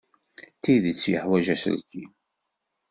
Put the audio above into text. D tidet yeḥwaj aselkim.